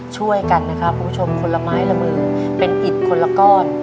ช่วยกันนะครับคุณผู้ชมคนละไม้ละมือเป็นอิดคนละก้อน